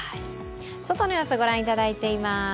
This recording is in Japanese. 外の様子、ご覧いただいています。